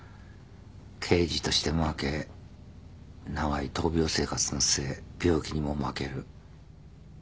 刑事として負け長い闘病生活の末病気にも負ける。